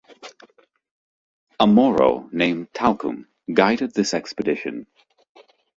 A Moro named Talcum guided this expedition.